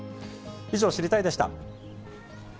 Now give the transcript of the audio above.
以上、知りたいッ！でした。